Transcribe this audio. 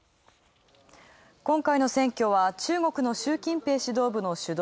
今回の選挙は中国の習近平指導部の主導